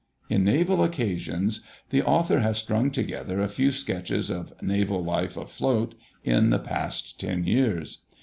In 'Naval Occasions' the Author has strung together a few sketches of naval life afloat in the past ten years.